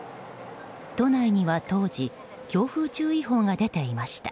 都内には当時強風注意報が出ていました。